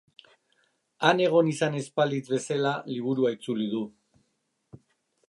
Han egon izan ez balitz bezala liburua itzuli du.